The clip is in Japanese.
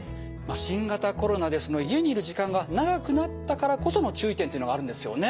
新型コロナで家にいる時間が長くなったからこその注意点というのがあるんですよね。